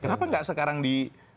kenapa nggak sekarang di